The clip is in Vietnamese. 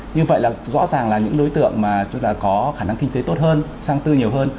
như vậy là rõ ràng là những đối tượng mà có khả năng kinh tế tốt hơn sang tư nhiều hơn